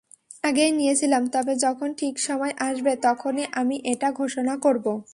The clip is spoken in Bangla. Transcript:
আগেই নিয়েছিলাম, তবে যখন ঠিক সময় আসবে তখনই আমি এটা ঘোষণা করব।